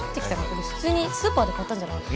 これ普通にスーパーで買ったんじゃないの？